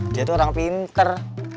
dia tuh orang pinter